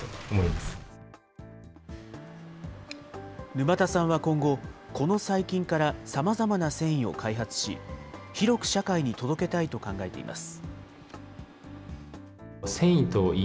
沼田さんは今後、この細菌からさまざまな繊維を開発し、広く社会に届けたいと考えています。